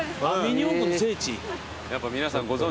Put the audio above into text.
やっぱ皆さんご存じ。